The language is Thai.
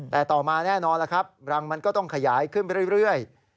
แต่ต่อมาแน่นอนล่ะครับรังมันก็ต้องขยายขึ้นไปเรื่อย